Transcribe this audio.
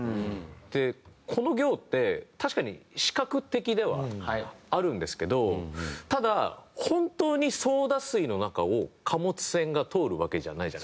この行って確かに視覚的ではあるんですけどただ本当にソーダ水の中を貨物船が通るわけじゃないじゃないですか。